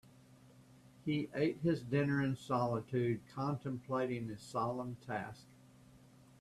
He ate his dinner in solitude, contemplating his solemn task.